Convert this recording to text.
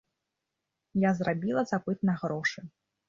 Я зрабіла запыт на грошы.